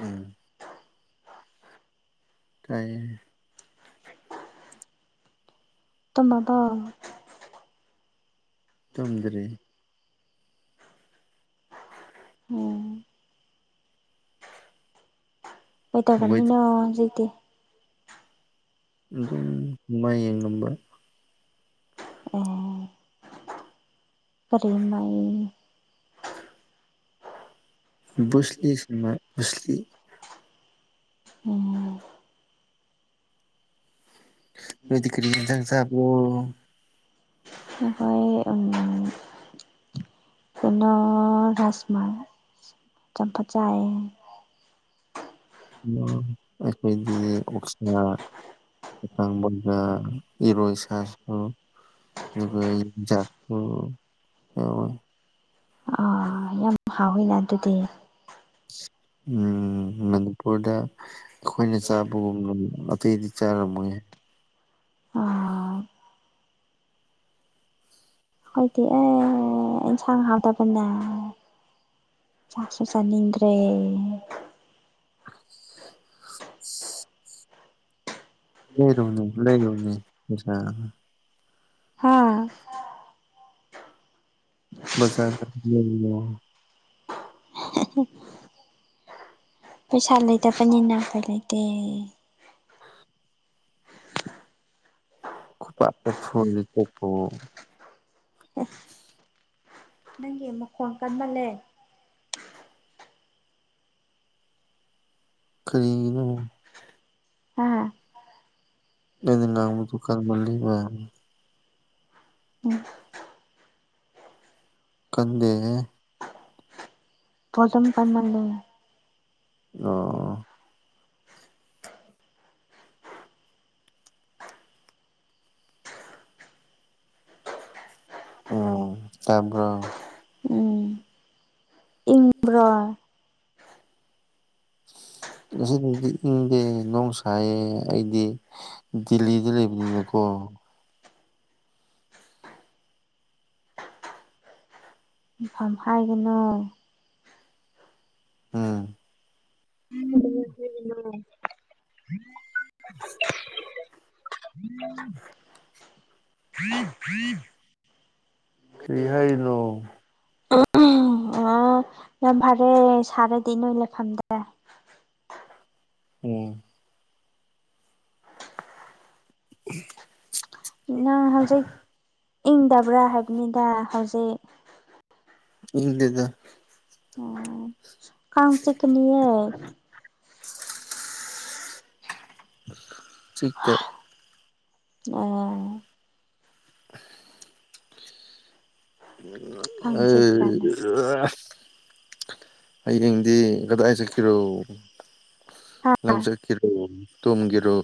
ꯎꯝ ꯇꯥꯏ꯫ ꯇꯨꯝꯃꯕꯣ꯫ ꯇꯨꯝꯗ꯭ꯔꯤ꯫ ꯎꯝ ꯀꯩ ꯇꯧꯔꯝꯃꯤꯅꯣ ꯍꯧꯖꯤꯛꯇꯤ꯫ ꯑꯗꯨꯝ ꯁꯤꯃꯥ ꯌꯦꯡꯉꯝꯕ꯫ ꯑꯦ ꯀꯔꯤ ꯁꯤꯃꯥꯏ ꯕꯨꯁꯂꯤ ꯁꯤꯟꯅꯤꯃ ꯕꯨꯁꯂꯤ꯫ ꯎꯝ ꯅꯣꯏꯗꯤ ꯀꯔꯤ ꯍꯤꯡꯖꯥꯡ ꯆꯥꯕꯔꯣ꯫ ꯍꯣꯏ ꯍꯣꯏ [unintelligible] ꯑꯗꯨꯅ ꯔꯖꯃ ꯆꯝꯐꯨꯠ ꯆꯌꯦ꯫ ꯑꯩꯈꯣꯏꯗꯤ ꯑꯣꯁ꯫ ꯍꯈꯥꯡꯕꯥ ꯏꯔꯣꯏ ꯁꯥꯏ [unintelligible] ꯑ ꯌꯥꯝ ꯍꯥꯎꯏꯅ ꯑꯗꯨꯗꯤ꯫ ꯎꯝ ꯃꯅꯤꯄꯨꯔꯗ ꯑꯩꯈꯣꯏꯅ ꯆꯥꯕꯒꯨꯝꯅ ꯑꯇꯩꯗꯤ ꯆꯥꯔꯝꯃꯣꯏ꯫ ꯑꯥ ꯑꯩꯈꯣꯏꯗꯤ ꯑꯦ ꯑꯦꯟꯁꯥꯡ ꯍꯥꯥꯎꯇꯕꯅ꯫ ꯆꯁꯨ ꯆꯅꯤꯡꯗ꯭ꯔꯦ꯫ ꯂꯩꯔꯨꯝꯅꯤ ꯂꯩꯔꯨꯝꯅꯤ ꯄꯩꯁ ꯍꯥꯥ꯫ [unintelligible] [unintelligible] ꯄꯩꯁꯥ ꯂꯩꯗꯄꯅꯤ ꯅꯅꯥꯈꯣꯏ ꯂꯩ ꯇ ꯄꯦ ꯐꯣꯟ ꯆꯣ ꯑꯁ ꯅꯪꯒꯤ ꯃꯈꯣꯟ ꯀꯟꯃꯜꯂꯦ ꯈꯔꯤꯅ ꯑꯥ ꯑꯦ ꯂꯕꯨꯗꯨꯀꯥꯟ ꯃ ꯂꯩꯕ ꯎꯝ ꯀꯟꯗꯦ ꯐꯖꯝ ꯀꯃꯜ ꯂꯩ ꯑꯣ ꯎꯝ ꯇꯕ꯭ꯔ ꯁꯤꯝꯔꯣ ꯑꯁꯤꯗꯗꯤ ꯏꯪꯗꯦ ꯅꯣꯡ ꯁꯥꯏꯌꯦ ꯑꯩꯗꯤ ꯗ ꯗ ꯄꯀꯣ ꯃꯐꯝꯐꯝ ꯍꯥꯏꯒꯅꯨ ꯎꯝ ꯎꯅ ꯎ ꯐ꯭ꯔꯤ ꯐ꯭ꯔꯤ ꯀꯔꯤꯍꯏꯅꯣ ꯎꯝ ꯑꯣ ꯌꯥꯝ ꯐꯔꯦ ꯁꯥꯔꯗꯤ ꯅꯣꯏ ꯂꯩꯐꯝꯗꯦ ꯎꯝ ꯎ ꯅꯪ ꯍꯧꯖꯤꯛ ꯏꯪꯗꯕ꯭ꯔꯥ ꯍꯥꯏꯕꯅꯤꯗ ꯍꯧꯖꯤꯛ ꯏꯗꯤꯗ ꯎꯝ ꯀꯝ ꯆ ꯀꯅꯤ ꯆ ꯇ ꯑꯣ [unintelligible] ꯀꯥꯡ ꯆꯤꯛꯄ꯭ꯔꯥꯅ ꯑꯩ ꯍꯌꯦꯡꯗꯤ ꯀꯗꯥꯏ ꯆꯠꯀꯤꯔꯣ ꯂꯧꯖꯀꯤꯔꯣ ꯇꯝꯒꯔꯣ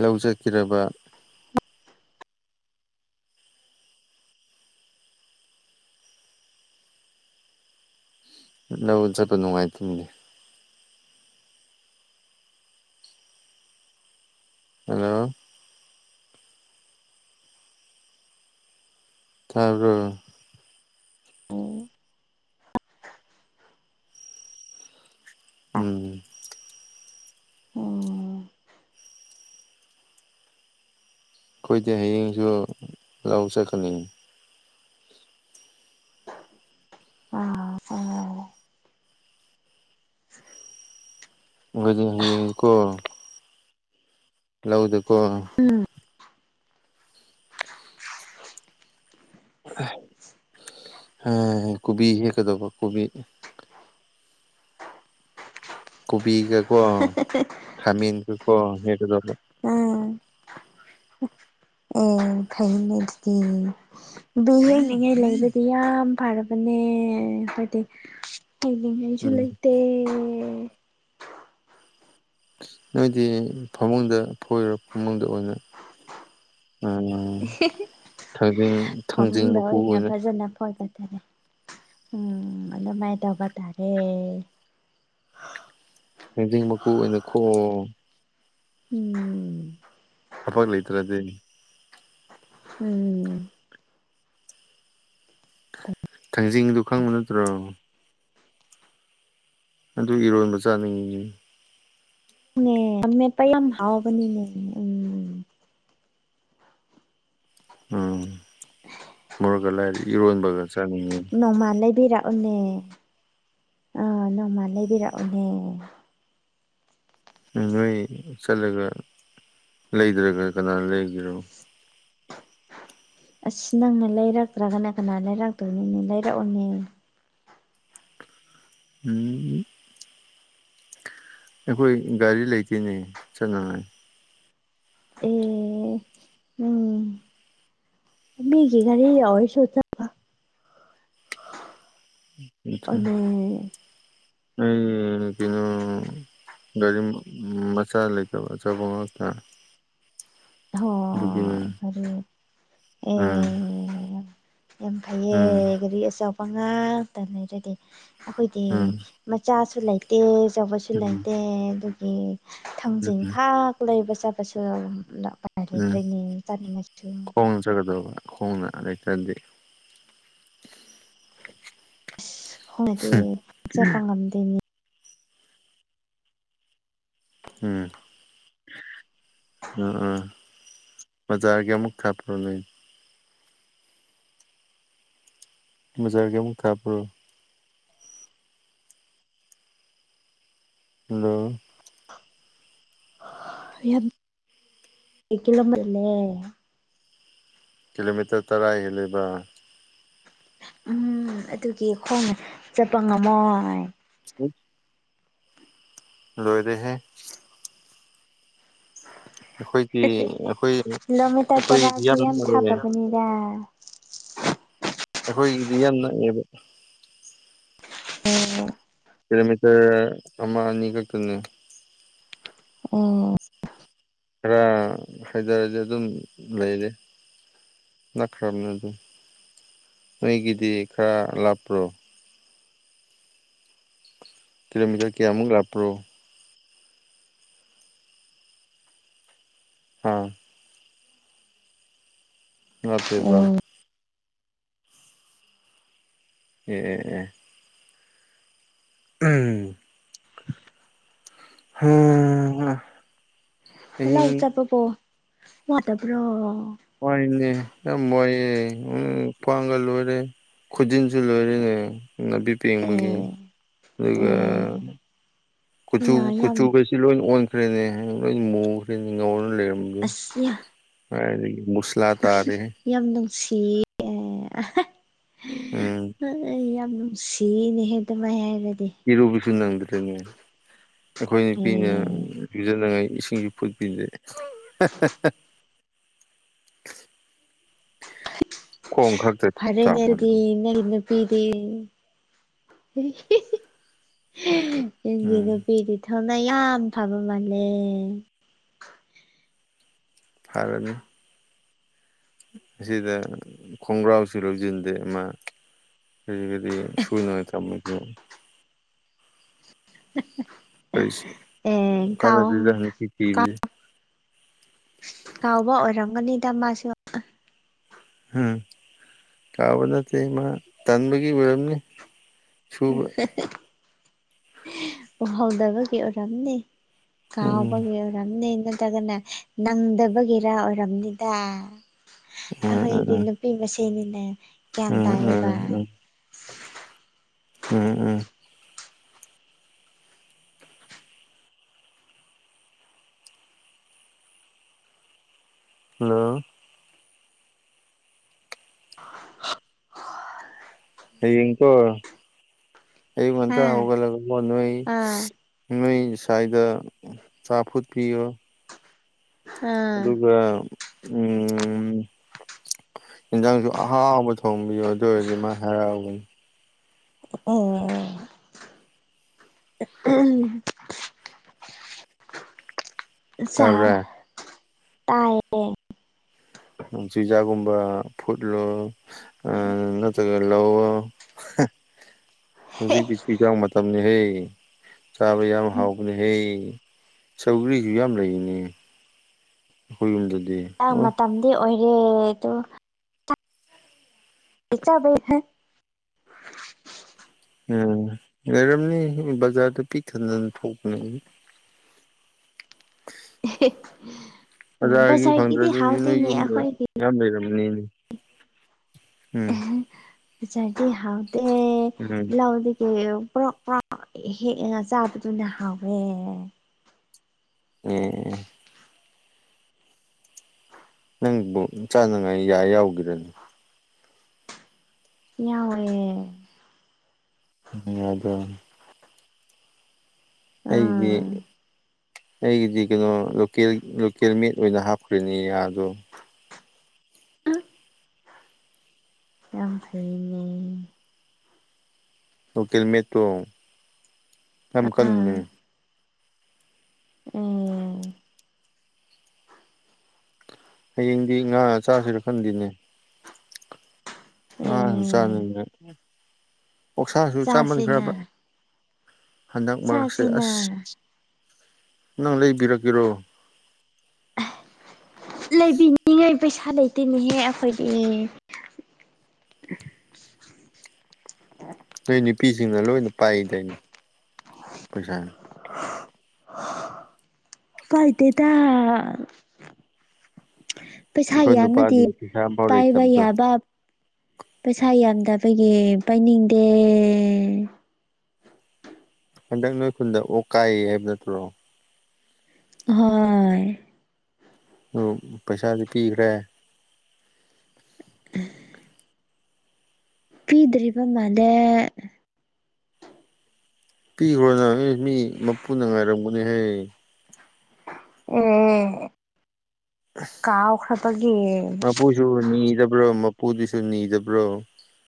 ꯂꯧꯖꯈꯔꯕ ꯂꯧ ꯆꯠꯄ ꯅꯨꯡꯉꯥꯏꯇꯣꯏꯃꯤꯅꯦ ꯍꯜꯂꯣ ꯇꯥꯔꯕꯣ ꯎꯝ ꯎꯝ ꯑꯩꯈꯣꯏꯗ ꯍꯌꯦꯡꯁꯨ ꯂꯧ ꯆꯀꯠꯅꯤꯡꯉꯤ ꯑ ꯐ [unintelligible] ꯣꯏꯗꯤ ꯍꯡꯀꯣ ꯂꯧꯗꯀꯣ ꯎꯝ ꯑꯗꯨ ꯀꯕꯤ ꯍꯀꯗ ꯀꯣꯕꯤ ꯀꯣꯕꯤ ꯀꯦ ꯀꯣ ꯈꯃꯤꯟ ꯀ ꯀꯣ ꯍꯦ ꯑꯩ ꯐꯅ ꯑꯗꯨꯗꯤ ꯕꯤ ꯍꯤꯡꯅꯤꯡꯉꯥꯏ ꯂꯩꯕꯗꯤ ꯌꯥꯝ ꯐꯔꯕꯅꯦ ꯍꯥꯏꯣꯏꯗꯤ ꯍꯥꯏꯅꯤꯡꯉꯩꯁꯨ ꯎꯝ ꯂꯩꯇꯦ ꯅꯣꯏꯗꯤ ꯐꯃꯨꯡꯗ ꯐꯣꯏꯔꯣ ꯐꯃꯨꯡꯗ ꯑꯣꯏꯅ [unintelligible] ꯎꯝ ꯊꯥꯡꯖꯤꯡ ꯊꯥꯡꯖꯤꯡ ꯐꯃꯕ ꯃꯀꯨ ꯑꯣꯏꯅ ꯐꯖꯅ ꯐꯣꯏꯒꯗꯔꯦ ꯎꯝ ꯑꯗ ꯃꯥꯏ ꯇꯒ ꯇꯔꯦ ꯂꯝꯖꯤꯡ ꯃꯀꯨ ꯑꯣꯏꯅ ꯈꯣ ꯎꯝ ꯊꯐꯛ ꯂꯩꯇ꯭ꯔꯗꯤ ꯎꯝ ꯊꯥꯡꯖꯤꯡꯗꯨ ꯈꯪꯕ ꯅꯠꯇ꯭ꯔꯣ ꯑꯗꯨ ꯏꯔꯣꯟꯕ ꯆꯥꯅꯤꯡꯉꯤꯅꯦ ꯅꯦ ꯃꯦꯠꯄ ꯌꯥꯝ ꯍꯥꯎꯕꯅꯤꯅꯦ ꯎꯝ ꯎꯝ ꯃꯣꯔꯛꯀ ꯂꯥꯏꯗꯤ ꯏꯔꯣꯟꯕꯒ ꯆꯥꯅꯤꯡꯉꯤ ꯅꯣꯡꯃꯥ ꯂꯩꯕꯤꯔꯛꯎꯅꯦ ꯑꯥ ꯅꯣꯡꯃꯥ ꯂꯩꯕꯤꯔꯛꯎꯅꯦ ꯅꯣꯏ ꯆꯠꯂꯒ ꯂꯩꯗ꯭ꯔꯒ ꯀꯅꯥꯅ ꯂꯩꯒꯔꯣ ꯑꯁ ꯅꯪꯅ ꯂꯩꯔꯛꯇ꯭ꯔꯒꯅ ꯀꯅꯥ ꯂꯩꯔꯛꯇꯣꯏꯅꯅꯦ ꯂꯩꯔꯛꯎꯅꯦ ꯎꯝ ꯑꯩꯈꯣꯏ ꯒꯥꯔꯤ ꯂꯩꯇꯣꯏꯅꯦ ꯆꯠꯅꯉꯥꯏ ꯑꯦ ꯎ ꯑꯃꯤꯒꯤꯒꯥꯔꯤꯍꯁ ꯑ ꯆꯠꯂꯣꯅꯦ ꯑꯩ ꯀꯩꯅꯣ ꯒꯥꯔꯤ ꯃꯆꯥꯥ ꯂꯩꯇ ꯆ ꯀ ꯍ ꯐ ꯎꯝ ꯑꯦ ꯌꯥꯝ ꯎꯝ ꯐꯩꯌꯦ ꯒꯥꯔꯤ ꯑꯆꯥꯎꯕ ꯉꯥꯛꯇ ꯂꯩꯔꯗꯤ ꯑꯩꯈꯣꯏꯗꯤ ꯎꯝ ꯃꯆꯥꯁꯨ ꯂꯩꯇꯦ ꯑꯆꯧꯕꯁꯨ ꯎꯝ ꯂꯩꯇꯦ ꯑꯗꯨꯒꯤ ꯎꯝ ꯊꯥꯡꯖꯤꯡꯈꯥꯛ ꯀꯂꯕꯁꯕꯁꯨꯔ ꯀ꯭ꯔꯦꯅꯤ ꯇꯥꯅꯤꯡꯉꯁꯨ ꯍꯣꯡ ꯆꯒꯗꯕ ꯈꯣꯡꯅ ꯂꯩꯇꯗꯗꯤ ꯑꯁ ꯈꯣꯡꯅꯗ ꯆꯠꯄ ꯉꯝꯗꯦꯅꯦ ꯎꯝ ꯑ ꯑ ꯃꯖꯥꯒꯦ ꯑꯃꯨꯛ ꯈꯥꯄꯔꯣ ꯃꯖꯔꯒꯃ ꯈꯥꯕ꯭ꯔꯣ ꯍꯜꯂꯣ ꯀꯂꯣꯔ ꯂꯩꯦ ꯀꯤꯂꯣꯃꯤꯇꯔ ꯇꯔꯥ ꯍꯦꯜꯜꯂꯤꯕ ꯎꯝ ꯑꯗꯨꯒꯤ ꯈꯣꯡꯅ ꯆꯠꯄ ꯉꯝꯃꯣꯏ ꯎꯝ ꯂꯣꯏꯣꯏꯗ ꯍꯦ ꯑꯩꯈꯣꯏꯗꯤ ꯑꯩꯈꯣꯏ ꯀꯂꯣꯃꯤꯇꯔ ꯑꯩꯈꯣꯏꯒꯤꯗꯤ ꯇꯔꯥꯁꯦ ꯌꯥꯝ ꯅꯛꯑꯦ ꯊꯥꯈꯕꯅꯤꯗ ꯑꯩꯈꯣꯏꯒꯤꯗꯤ ꯌꯥꯝ ꯅꯛꯉꯦꯕ ꯎꯝ ꯀꯤꯂꯣꯃꯤꯇꯔ ꯑꯃꯃꯅꯤ ꯀꯛꯇꯅꯤ ꯑꯣ ꯈꯔ ꯍꯥꯏꯖꯔꯗꯤ ꯑꯗꯨꯝ ꯂꯩꯔꯦ ꯅꯥꯛꯈ꯭ꯔꯕꯅꯤ ꯑꯗꯨꯝ ꯅꯣꯏꯒꯤꯗꯤ ꯈꯔ ꯂꯥꯞꯄ꯭ꯔꯣ ꯀꯤꯂꯣꯃꯤꯇꯔ ꯀꯌꯥꯃꯨꯛ ꯂꯥꯛꯞꯄ꯭ꯔꯣ ꯑꯥ [unintelligible] ꯑꯦ ꯑꯦ- ꯑꯦ-ꯑꯦ_ _ ꯎꯝ_ _ [unintelligible] ꯂꯧ ꯑꯍꯤꯡ ꯆꯠꯄꯕꯣ ꯋꯥꯗꯕ꯭ꯔꯣ꯫ [inaudible] ꯈꯨꯖꯤꯟꯁꯨ ꯂꯣꯏꯔꯦꯅꯦ ꯅꯥꯄꯤ ꯑꯦ ꯄꯦꯡꯕꯒꯤ ꯑꯗꯨꯒ_ ꯑꯦ _ ꯀꯨꯆꯨ ꯌꯥ ꯌꯥꯝ ꯀꯨꯆꯨꯒꯁꯤ ꯂꯣꯏꯅ ꯑꯣꯟꯈ꯭ꯔꯦꯅꯦ ꯂꯣꯏ ꯃꯨꯈ꯭ꯔꯦꯅꯦ ꯉꯧꯔ ꯂꯩꯔꯝ_ _ ꯑꯁ ꯀ꯭ꯔꯥꯏꯗꯒꯤ ꯃꯨꯁꯂ ꯇꯥꯔꯦꯍꯦ꯫ ꯌꯥꯝ ꯅꯨꯡꯁꯤꯌꯦ ꯑꯍ꯫ ꯎꯝ ꯑ ꯑ ꯌꯥꯝ ꯅꯨꯡꯁꯤꯌꯦꯅꯦꯍꯦ ꯑꯗꯨꯃꯥꯏ ꯍꯥꯏꯔꯗꯤ꯫ ꯏꯔꯨꯕꯁꯨ ꯅꯪꯗ꯭ꯔꯤꯕꯅꯦ ꯑꯩꯈꯣꯏ ꯅꯨꯄꯤꯅ_ ꯎꯝ _ [inaudible] ꯈꯣꯡ ꯈꯛꯇ [inaudible] ꯅꯨꯄꯤꯗꯤ ꯆꯥꯝꯍꯜꯂꯦ ꯅꯪꯒꯤ ꯎꯝ ꯅꯨꯄꯤꯗꯨ_ _ ꯊꯣꯝꯅ ꯌꯥꯝ ꯐꯕ ꯃꯥꯟꯜꯦ꯫ ꯐꯔꯅꯤ꯫ ꯑꯁꯤꯗ ꯈꯣꯡꯒ꯭ꯔꯥꯎꯁꯤꯔꯣ ꯖꯤꯟꯗꯤ ꯑꯃꯥ_ _ ꯖꯤꯟꯒꯗꯤ ꯁꯨꯅꯕ ꯊꯃꯣꯏꯗ꯭ꯔꯣ꯫ [inaudible] ꯀꯔꯤꯁꯨ ꯑꯦ ꯀꯥꯟꯅꯗꯦꯗ ꯀꯥꯎ ꯅꯨꯄꯤ ꯀꯥꯎ ꯊꯤꯕꯖꯤ꯫ ꯀꯥꯎꯕ ꯑꯣꯏꯔꯝꯒꯅꯤꯗ ꯃꯥꯁꯨ꯫ ꯍꯝ ꯀꯥꯎꯕ ꯅꯠꯇꯦ ꯃꯥ ꯇꯟꯕꯒꯤ ꯑꯣꯏꯔꯝꯅꯤ꯫ ꯁꯨꯕ ꯎꯍꯧꯗꯕꯒꯤ ꯑꯣꯏꯔꯝꯅꯤ꯫ ꯎꯝ ꯀꯥꯎꯕꯒꯤ ꯑꯣꯏꯔꯝꯅꯤꯗ꯫ ꯅꯠꯇ꯭ꯔꯒꯅꯦ ꯅꯪꯗꯕꯒꯤꯔ ꯑꯣꯏꯔꯝꯅꯤꯗ ꯎꯝ ꯑꯍꯣꯏꯒꯤ ꯅꯨꯡ ꯎꯝ ꯅꯨꯄꯤꯒ ꯁꯦꯝꯃꯤꯅꯦ ꯒ꯭ꯌꯥꯟ ꯎꯝ ꯇꯥꯏꯌꯦꯕ꯫ ꯎꯝ ꯎꯝ ꯎꯝ ꯎꯝ꯫ ꯍꯜꯂꯣ ꯍꯌꯦꯡꯀꯣ ꯑꯌꯨꯛ ꯉꯟꯇ ꯍꯧꯒꯠꯂꯒ ꯀꯣ ꯅꯣꯏ꯫ ꯑꯥ_ _ ꯅꯣꯏ ꯁꯥꯏꯒ ꯆꯥ ꯐꯨꯠꯄꯤꯔꯣ꯫ ꯑꯥ ꯑꯗꯨꯒ ꯎꯝ_ _ ꯑꯦꯟꯖꯥꯡꯖꯨ ꯑꯍꯥꯎꯕ ꯊꯣꯡꯕꯤꯌꯣ ꯑꯗꯣ ꯑꯣꯏꯔꯗꯤ ꯃꯥ ꯍꯔꯥꯎꯒꯅꯤ꯫ ꯑꯦ ꯇꯥꯕ꯭ꯔꯥ [inaudible] ꯅꯨꯡꯁꯤꯗꯥꯛꯀꯨꯝꯕ ꯐꯨꯠꯂꯣ꯫ ꯑ ꯅꯇ꯭ꯔꯒꯥ ꯂꯧꯑꯣ꯫ ꯍꯧꯖꯤꯛꯇꯤ ꯆꯨꯏꯖꯥꯡ ꯃꯇꯝꯅꯦꯍꯦ ꯆꯥꯕ ꯌꯥꯝ ꯍꯥꯎꯕꯅꯦꯍꯦ꯫ ꯁꯧꯒ꯭ꯔꯤꯖꯨ ꯌꯥꯝ ꯂꯩꯔꯅꯦ ꯑꯈꯣꯏ ꯌꯨꯝꯗꯗꯤ꯫ ꯆꯥꯡ ꯑꯣ ꯃꯇꯝꯗꯤ ꯑꯣꯏꯔꯦ ꯑꯗꯨ_ _ [inaudible] ꯎꯝ ꯂꯩꯔꯝꯅꯤ ꯕꯖꯥꯔꯗ ꯄꯤꯛꯊꯟꯗꯨꯝ ꯊꯣꯛꯄꯅꯦ꯫ [inaudible] ꯑꯗ꯭ꯋꯥꯏꯒꯤ ꯕꯖꯥꯔꯒꯤꯗꯤ ꯐꯪꯗ꯭ꯔꯖꯨ ꯅꯣꯏ ꯍꯥꯎꯇꯦꯅꯦ ꯌꯨꯝꯗ ꯑꯩꯈꯣꯏꯒꯤ ꯌꯥꯝ ꯂꯩꯔꯝꯃꯅꯤꯅꯦ꯫ ꯑꯍꯦ ꯑꯆꯥꯔꯗꯤ ꯍꯥꯎꯗꯦ ꯎꯝ ꯂꯧꯗꯒꯤ ꯋ ꯍꯦꯛꯑꯒ ꯆꯥꯕꯗꯨꯅ ꯍꯥꯎꯋꯦ꯫ ꯑꯦ ꯑꯦ ꯅꯪꯕꯨ ꯆꯥꯅꯉꯥꯏ ꯌꯥ ꯌꯥꯎꯒꯤꯔꯅꯦ꯫ ꯌꯥꯎꯋꯦ ꯎꯗꯦ ꯑꯩꯗꯤ ꯑꯥ ꯑꯩꯒꯤꯗꯤ ꯀꯩꯅꯣ ꯂꯣꯀꯦꯜ ꯂꯣꯀꯦꯜ ꯃꯤꯠ ꯑꯣꯏꯅ ꯍꯥꯞꯈ꯭ꯔꯅꯤ ꯌꯥꯗꯣ ꯌꯥꯝ ꯐꯩꯅꯦ ꯂꯣꯀꯦꯜ ꯃꯦꯇꯔꯣ ꯃꯈꯟ ꯃꯈꯟ ꯑꯥ ꯗꯨꯅꯦ ꯎꯝ ꯍꯌꯦꯡꯗꯤ ꯉꯥ ꯆꯥꯁꯤꯔ ꯈꯟꯗꯦꯅꯦ ꯑꯦ ꯉꯥꯁꯨ ꯆꯥꯅꯤꯡ ꯑꯣꯛꯁꯥꯁꯨ ꯆꯥꯁꯤꯅ ꯆꯥꯃꯟꯈ꯭ꯔꯕ ꯍꯟꯗꯛ ꯃꯔꯛꯁꯦ ꯆꯥꯁꯤꯅ ꯑꯁ ꯅꯪ ꯂꯩꯕꯤꯔꯛꯀꯦꯔꯣ ꯂꯩꯕꯤꯅꯤꯉꯥꯏ ꯄꯩꯁꯥ ꯂꯩꯇꯦꯅꯦꯍꯦ ꯑꯩꯈꯣꯏꯗꯤ ꯅꯣꯏ ꯅꯨꯄꯤꯁꯤꯡꯅ ꯂꯣꯏꯅ ꯄꯥꯏꯗꯣꯏꯅꯤ ꯄꯩꯁꯥ [inaudible] ꯄꯥꯏꯗꯦꯗ ꯄꯩꯁꯥꯒꯤ ꯑꯩꯈꯣꯏ ꯑꯃꯗꯤ ꯅꯨꯄꯥꯗꯤ ꯄꯩꯁꯥ ꯑꯝꯐꯥꯎ ꯄꯥꯏꯕ ꯂꯩꯇꯕꯗꯣ ꯌꯥꯕ ꯄꯩꯁꯥ ꯌꯥꯝꯗꯕꯒꯤ ꯄꯥꯏꯅꯤꯡꯗꯦ ꯍꯟꯗꯛ ꯅꯣꯏ ꯈꯨꯟꯗ ꯑꯣꯛ ꯀꯥꯏꯌꯦ ꯍꯥꯏꯕ ꯅꯠꯇ꯭ꯔꯣ ꯍꯣꯏ ꯑꯗꯨ ꯄꯩꯁꯥꯗꯤ ꯄꯤꯈ꯭ꯔꯦ ꯄꯤꯗ꯭ꯔꯤꯕ ꯃꯥꯂꯦ ꯄꯤꯈ꯭ꯔꯣ ꯅꯪ ꯃꯤ ꯃꯄꯨꯅ ꯉꯥꯏꯔꯝꯒꯅꯦꯍꯦ ꯑꯦ ꯀꯥꯎ ꯈꯕꯒꯤ ꯁꯨ ꯅꯤꯗꯕ꯭ꯔꯣ ꯃꯄꯨꯗꯨꯁꯨ ꯅꯤꯗꯕ꯭ꯔꯣ